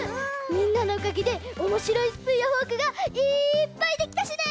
みんなのおかげでおもしろいスプーンやフォークがいっぱいできたしね！